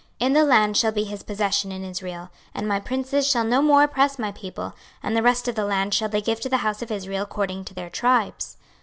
26:045:008 In the land shall be his possession in Israel: and my princes shall no more oppress my people; and the rest of the land shall they give to the house of Israel according to their tribes.